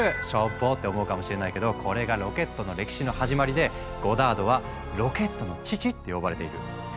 「しょぼ！」って思うかもしれないけどこれがロケットの歴史の始まりでゴダードは「ロケットの父」って呼ばれている。